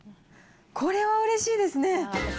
これはうれしいですね。